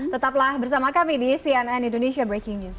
tetaplah bersama kami di cnn indonesia breaking news